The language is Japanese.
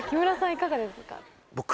いかがですか？